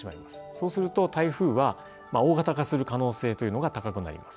そうすると台風は大型化する可能性というのが高くなります。